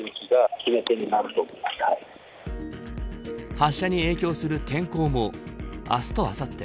発射に影響する天候も明日とあさって